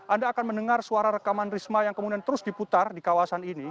anda akan mendengar suara rekaman risma yang kemudian terus diputar di kawasan ini